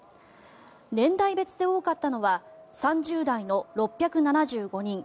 年代別で多かったのは３０代の６７５人。